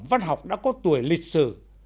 văn học đã có tuổi lịch sử